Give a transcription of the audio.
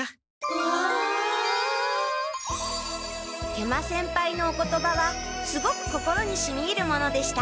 食満先輩のお言葉はすごく心にしみいるものでした。